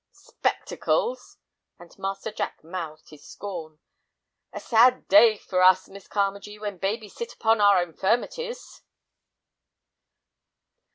"Spectacles!" and Master Jack mouthed his scorn. "A sad day for us, Miss Carmagee, when babies sit upon our infirmities!"